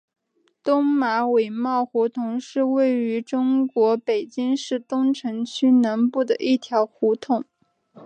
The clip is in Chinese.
东马尾帽胡同是位于中国北京市东城区南部的一条胡同。